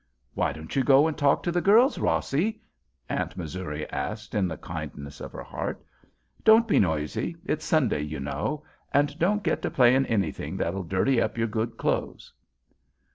"Why don't you go and talk to the girls, Rossie?" Aunt Missouri asked, in the kindness of her heart. "Don't be noisy—it's Sunday, you know—and don't get to playing anything that'll dirty up your good clothes."